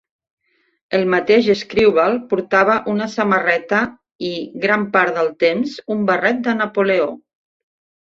El mateix Screwball portava una samarreta i, gran part del temps, un barret de Napoleó.